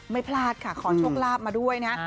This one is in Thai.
ไม่พลาดค่ะขอโชคลาภมาด้วยนะ